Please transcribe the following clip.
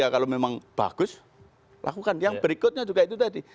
kalau memang bagus lakukan yang berikutnya juga itu tadi